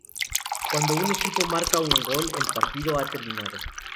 Cuando un equipo marca un gol, el partido ha terminado.